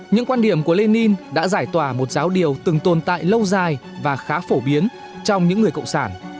những quan điểm của lenin đã giải tỏa một giáo điều từng tồn tại lâu dài và khá phổ biến trong những người cộng sản